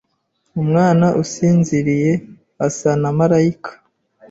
Umwana usinziriye asa na malayika.